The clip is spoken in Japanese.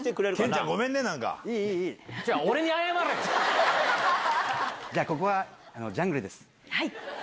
違う、じゃあ、ここはジャングルではい。